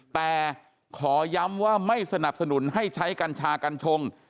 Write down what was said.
แต่ขอย้ำว่าไม่สนับสนุนให้ใช้กัญชากัญชง